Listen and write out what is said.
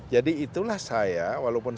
jadi itulah saya walaupun